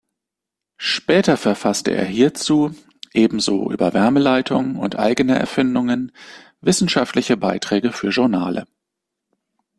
Später verfasste er hierzu, ebenso über Wärmeleitung und eigene Erfindungen wissenschaftliche Beiträge für Journale.